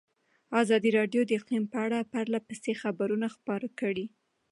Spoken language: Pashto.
ازادي راډیو د اقلیم په اړه پرله پسې خبرونه خپاره کړي.